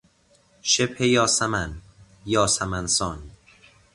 شبه یاسمن، یاسمن سان